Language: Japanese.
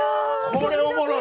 これおもろい。